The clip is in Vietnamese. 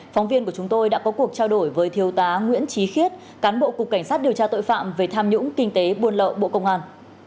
phóng viên của chúng tôi đã có cuộc trao đổi với thiếu tá nguyễn trí khiết cán bộ cục cảnh sát điều tra tội phạm về tham nhũng kinh tế buôn lậu bộ công an